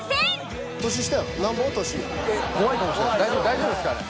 大丈夫ですかあれ。